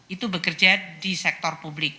itu bekerja di sektor publik